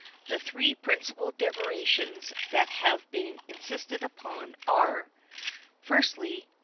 The three principal derivations that have been insisted upon, are: Firstly.